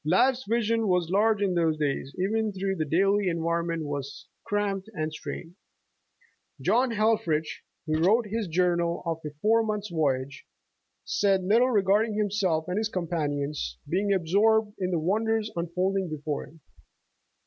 Life's vision was large in those days, even though the daily environment was cramped and strained. John Helffrich, who wrote his journal of a four months' voyage, said little regarding himself and his companions, being absorbed in the wonders unfolding before him.